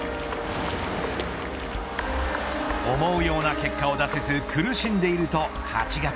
思うような結果を出せず苦しんでいると８月。